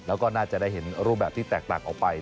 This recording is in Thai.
แล้วก็น่าจะได้เห็นรูปแบบที่แตกต่างออกไป